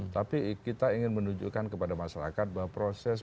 tapi kita ingin menunjukkan kepada masyarakat bahwa proses